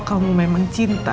apa kamu tega liat putri menderita